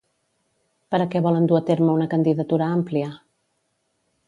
Per a què volen dur a terme una candidatura àmplia?